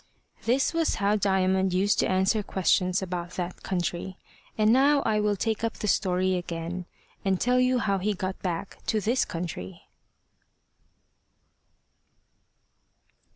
This was how Diamond used to answer questions about that country. And now I will take up the story again, and tell you how he got back to this country.